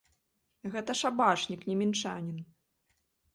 Гэта шабашнік, не мінчанін.